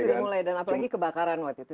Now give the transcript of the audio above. sudah mulai dan apalagi kebakaran waktu itu